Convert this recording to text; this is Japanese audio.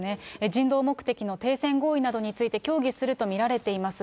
人道目的の停戦合意について協議すると見られています。